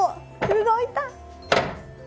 動いた。